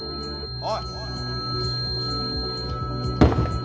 おい！